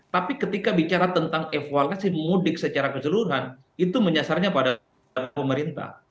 tapi ketika bicara tentang evaluasi mudik secara keseluruhan itu menyasarnya pada pemerintah